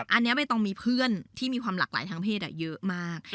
อันนี้ใบตองมีเพื่อนที่มีความหลากหลายทางเพศเยอะมาก